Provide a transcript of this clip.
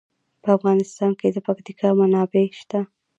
په افغانستان کې د پکتیکا منابع شته.